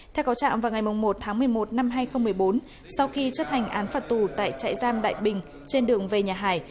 theo có trạm vào ngày một tháng một mươi một năm hai nghìn một mươi bốn sau khi chấp hành án phạt tù tại trại giam đại bình trên đường về nhà hải